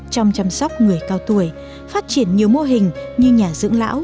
trong chăm sóc người cao tuổi phát triển nhiều mô hình như nhà dưỡng lão